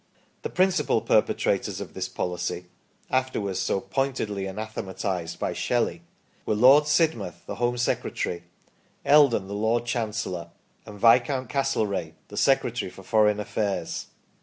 The principal perpetrators of this policy, afterwards so pointedly anathematised by Shelley, were Lord Sidmouth, the Home Secretary, Eldon the Lord Chancellor, and Viscount Castlereagh, the Secretary for foreign affairs.